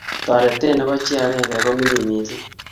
Toretet nebo chii agenge komining mising.